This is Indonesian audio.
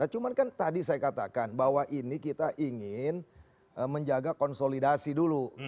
cuma kan tadi saya katakan bahwa ini kita ingin menjaga konsolidasi dulu